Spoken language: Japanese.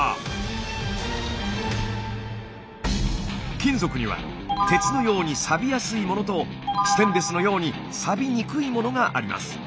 金属には鉄のようにサビやすいものとステンレスのようにサビにくいものがあります。